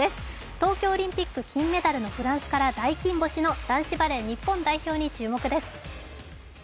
東京オリンピック金メダルのフランスから大金星の男子バレー日本代表に注目です。